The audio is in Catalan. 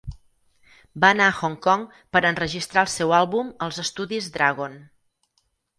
Va anar a Hong Kong per enregistrar el seu àlbum als Estudis Dragon.